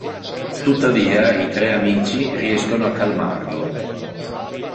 Tuttavia i tre amici riescono a calmarlo.